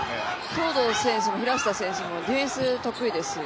東藤選手も平下選手もディフェンス、得意ですよ。